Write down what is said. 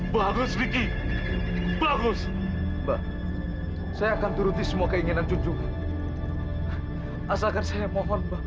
bagus di bagus saya akan turuti semua keinginan cucu asalkan saya mohon